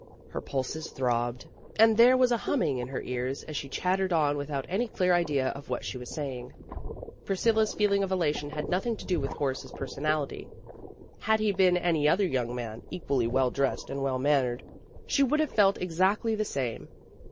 Her pulses throbbed, and there was a humming in her ears as she chattered on without any clear idea of what she was saying. Priscilla 's feeling of elation had nothing to do with Horace's personality. Had he been any other young man, equally well dressed and well mannered, she would have felt exactly the same.